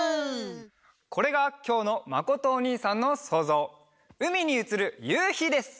これがきょうのまことおにいさんのそうぞう「うみにうつるゆうひ」です！